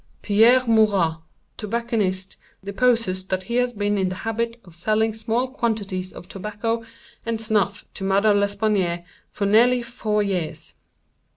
"Pierre Moreau, tobacconist, deposes that he has been in the habit of selling small quantities of tobacco and snuff to Madame L'Espanaye for nearly four years.